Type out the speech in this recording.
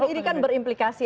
ini kan berimplikasi